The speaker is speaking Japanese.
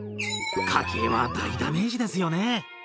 家計は大ダメージですよね。